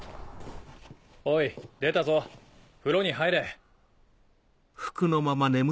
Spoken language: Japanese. おい出たぞ風呂に入れ。